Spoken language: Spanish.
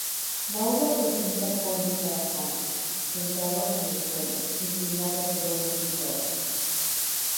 La obra presenta al conde trabajando, sentado en el suelo, inclinado sobre un escritorio.